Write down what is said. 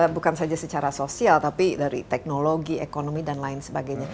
bukan saja secara sosial tapi dari teknologi ekonomi dan lain sebagainya